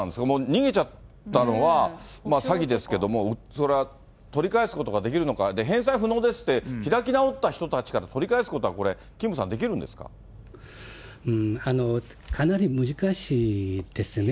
逃げちゃったのは、詐欺ですけれども、それは取り返すことができるのか、返済不能ですって開き直った人たちから取り返すことは、これ、キかなり難しいですね。